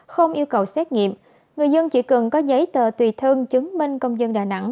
không yêu cầu xét nghiệm người dân chỉ cần có giấy tờ tùy thân chứng minh công dân đà nẵng